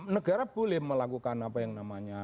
negara boleh melakukan